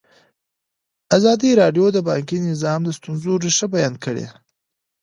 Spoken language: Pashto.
ازادي راډیو د بانکي نظام د ستونزو رېښه بیان کړې.